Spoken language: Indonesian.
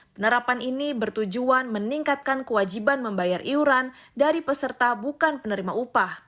penerapan ini bertujuan meningkatkan kewajiban membayar iuran dari peserta bukan penerima upah